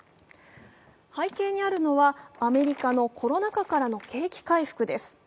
背景にあるのはアメリカのコロナ禍からの景気回復です。